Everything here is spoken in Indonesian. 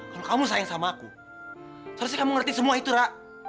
kalau kamu sayang sama aku seharusnya kamu ngerti semua itu rak